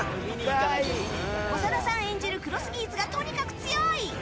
長田さん演じるクロスギーツがとにかく強い！